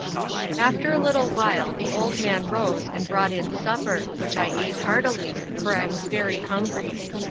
After a little while the old man rose and brought in supper, which I ate heartily, for I was very hungry.